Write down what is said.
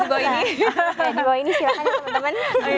di bawah ini silahkan ya temen temen